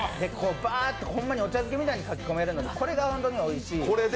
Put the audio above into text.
お茶漬けみたいにかき込めるのでこれが本当においしい。